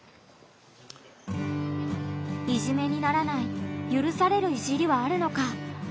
「いじめ」にならないゆるされる「いじり」はあるのか。